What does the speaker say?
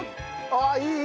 ああいい！